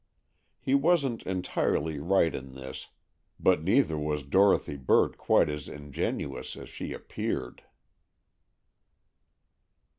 He wasn't entirely right in this, but neither was Dorothy Burt quite as ingenuous as she appeared.